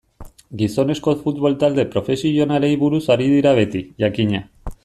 Gizonezko futbol talde profesionalei buruz ari dira beti, jakina.